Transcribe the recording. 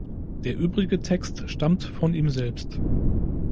Der übrige Text stammt von ihm selbst.